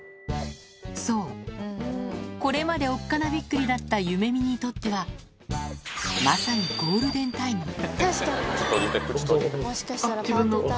そうこれまでおっかなびっくりだったゆめみにとってはまさにあっ自分の。